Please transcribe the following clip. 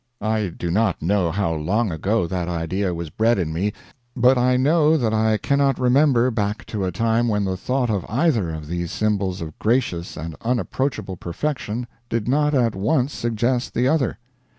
I do not know how long ago that idea was bred in me, but I know that I cannot remember back to a time when the thought of either of these symbols of gracious and unapproachable perfection did not at once suggest the other.